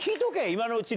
今のうちに。